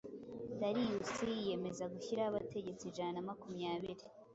Dariyusi yiyemeza gushyiraho abategetsi ijana na makumyabiri